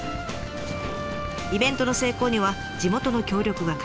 イベントの成功には地元の協力が欠かせません。